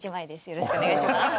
よろしくお願いします。